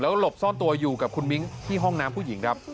ก็อยู่ในห้องน้ำผู้หญิงแล้วหลบซ่อนตัวอยู่กับคุณมิ้งที่ห้องน้ำผู้หญิงรับ